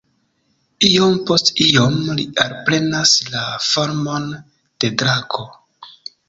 Iom post iom li alprenas la formon de drako.